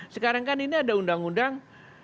sekarang kan ini ada undang undang